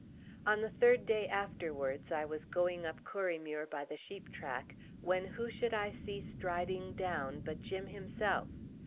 On the third day afterwards, I was going up Corriemuir by the sheep track, when who should I see striding down but Jim himself.